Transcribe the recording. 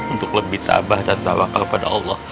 untuk lebih tabah dan tawakal kepada allah